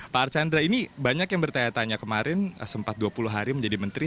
pak archandra ini banyak yang bertanya tanya kemarin sempat dua puluh hari menjadi menteri